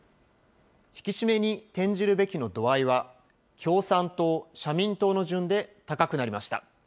引き締めに転じるべきの度合いは、共産党、社民党の順で高くなりました。